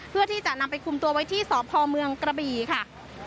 เพื่อที่จะนำไปคุมตัวไว้ที่สพเมืองกระบี่ค่ะ